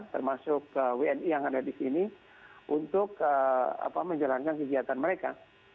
termasuk wni yang ada di sini untuk menjalankan kegiatan mereka